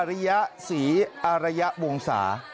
สีอริยะสีอรัยะวงศา